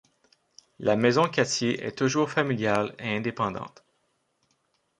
La Maison Cattier est toujours familiale et indépendante.